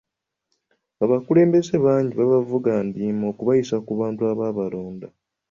Abakulembeze bangi babavuga ndiima okubayisa ku bantu abaabalonda.